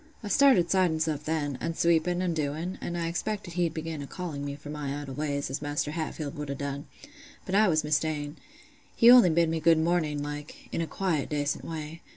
I started siding stuff then, an' sweeping an' doing; and I expected he'd begin a calling me for my idle ways, as Maister Hatfield would a' done; but I was mista'en: he only bid me good mornin' like, in a quiet dacent way.